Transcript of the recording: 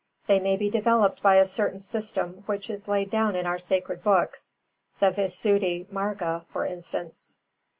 They may be developed by a certain system which is laid down in our sacred books, the Visuddhi Mārga for instance.